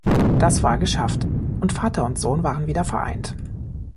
Das war geschafft, und Vater und Sohn waren wieder vereint.